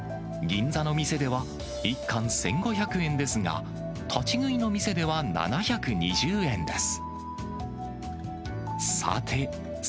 銀座の店では１貫１５００円ですが、立ち食いの店では７２０円です。